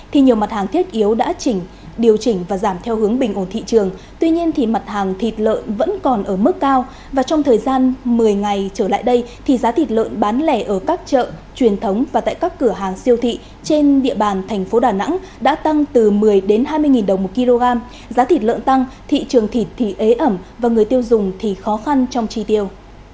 thịt lợn tăng thị trường thịt thì ế ẩm và người tiêu dùng thì khó khăn trong tri tiêu